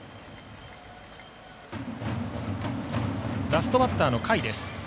ラストバッターの甲斐です。